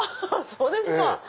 そうですか！